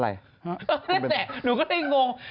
นั่นแหละหนูก็เลยงง